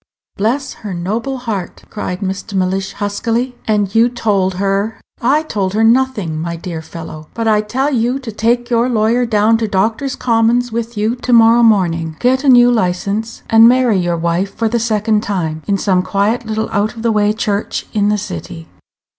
"Bless her noble heart!" cried Mr. Mellish, huskily. "And you told her " "I told her nothing, my dear fellow; but I tell you to take your lawyer down to Doctor's Commons with you to morrow morning, get a new license, and marry your wife for the second time, in some quiet little out of the way church in the city."